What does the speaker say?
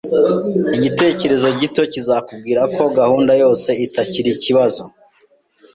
Igitekerezo gito kizakubwira ko gahunda yose itari ikibazo